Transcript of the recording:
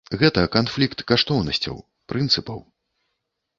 Гэта канфлікт каштоўнасцяў, прынцыпаў.